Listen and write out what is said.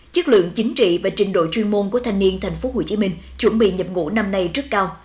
chất lượng chính trị và trình độ chuyên môn của thanh niên tp hcm chuẩn bị nhập ngũ năm nay rất cao